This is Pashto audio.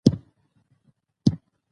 په افغانستان کې د واوره منابع شته.